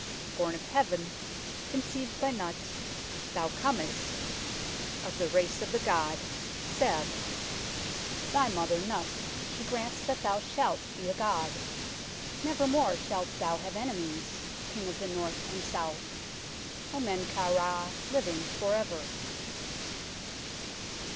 Born of Heaven, conceived by Nut, thou comest [of the race of the god] Seb. THE BONES OF MEN KAU RA 141 " Thy mother Nut she grants that thou shalt be a god. Never more shalt thou have enemies, King of the North and South, O Men kau Ra, living for ever."